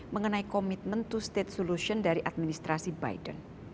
mengenai komitmen untuk melakukan solusi dari administrasi biden